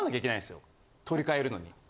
取り替えるのに。